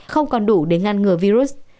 không còn đủ để ngăn ngừa virus